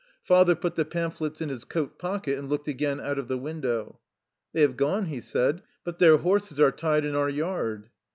Father put the pamphlets in his coat pocket and looked again out of the window. " They have gone," he said, " but their horses are tied in our yard."